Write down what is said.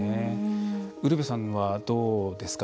ウルヴェさんはどうですか。